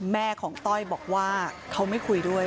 แม่ของต้อยบอกว่าเขาไม่คุยด้วย